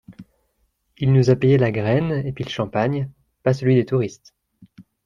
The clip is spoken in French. Il nous a payé la graine et pis le champagne, pas celui des touristes